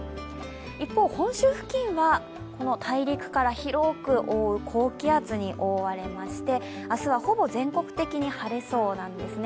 一方、本州付近は大陸から広く高気圧に覆われまして明日はほぼ全国的に晴れそうなんですね。